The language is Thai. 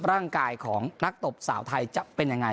ร่างกายของนักตบสาวไทยจะเป็นยังไง